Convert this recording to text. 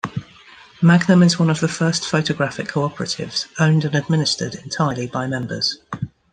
Magnum is one of the first photographic cooperatives, owned and administered entirely by members.